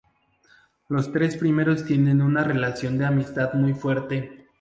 Los tres primeros tienen una relación de amistad muy fuerte.